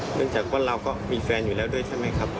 เนื่องจากว่าเราก็มีแฟนอยู่แล้วด้วยใช่ไหมครับ